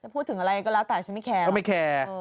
พูดถึงอะไรก็แล้วแต่ฉันไม่แคร์